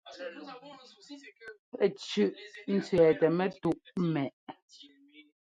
Pɛ́ cʉʼ cʉɛtɛ mɛ́túʼ ḿmɛ́ʼ.